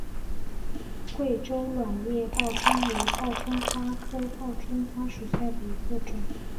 贵州卵叶报春为报春花科报春花属下的一个种。